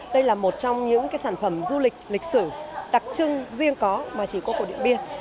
đây là một trong những sản phẩm du lịch lịch sử đặc trưng riêng có mà chỉ có của điện biên